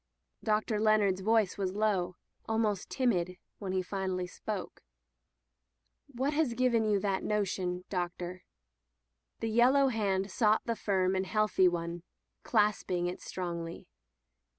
Dr. Leonard's voice was lowj almost timid, when he finally spoke: What has given you that notion, Doctor?" The yellow hand sought the firm and healthy one, clasping it strongly.